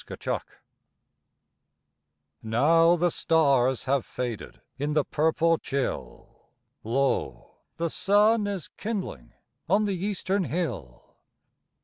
At Sunrise Now the stars have faded In the purple chill, Lo, the sun is kindling On the eastern hill.